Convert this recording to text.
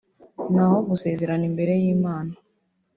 naho gusezerana imbere y’Imana